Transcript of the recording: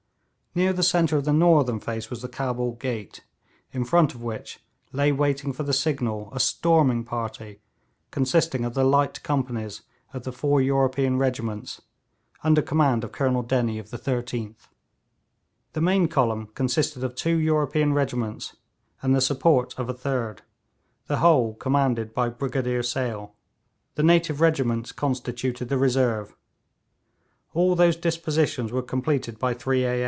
Near the centre of the northern face was the Cabul gate, in front of which lay waiting for the signal, a storming party consisting of the light companies of the four European regiments, under command of Colonel Dennie of the 13th. The main column consisted of two European regiments and the support of a third, the whole commanded by Brigadier Sale; the native regiments constituted the reserve. All those dispositions were completed by three A.